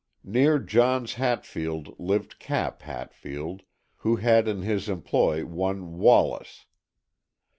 Near Johns Hatfield lived Cap Hatfield, who had in his employ one Wallace.